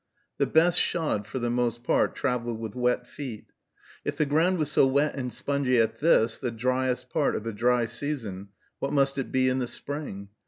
The best shod for the most part travel with wet feet. If the ground was so wet and spongy at this, the dryest part of a dry season, what must it be in the spring?